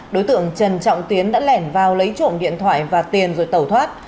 đối tượng trần trọng tiến đã lẻn vào lấy trộm điện thoại và tiền rồi tẩu thoát